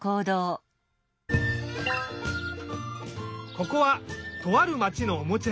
ここはとあるまちのおもちゃやさん。